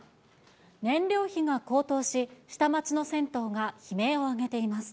燃料費が高騰し、下町の銭湯が悲鳴を上げています。